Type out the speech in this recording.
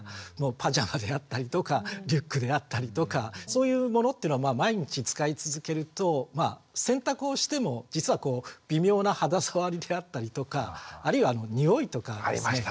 パジャマであったりとかリュックであったりとかそういうものっていうのは毎日使い続けると洗濯をしても実は微妙な肌触りであったりとかあるいはにおいとかですね